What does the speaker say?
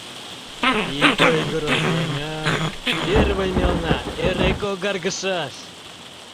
— Ит ойгыро, веҥым, первый мелна эре когаргышаш...